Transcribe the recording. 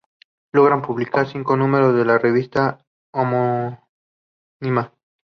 Logran publicar cinco números de la revista homónima.